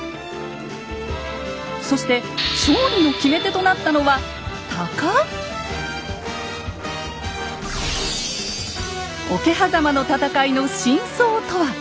そして勝利の決め手となったのは桶狭間の戦いの真相とは。